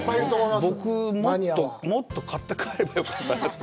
僕、もっと買って帰ればよかったなと。